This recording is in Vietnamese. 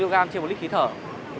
rượu hay bia thôi mà